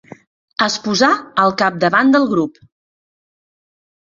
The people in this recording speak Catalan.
Es posà al capdavant del grup.